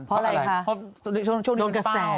เพราะอะไรค่ะ